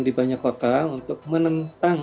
di banyak kota untuk menentang